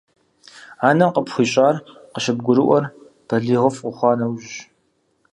Анэм къыпхуищӀар къыщыбгурыӀуэр балигъыфӀ ухъуа нэужьщ.